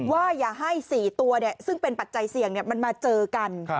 ว่าอย่าให้๔ตัวเนี่ยซึ่งเป็นปัจจัยเสี่ยงเนี่ยมันมาเจอกัน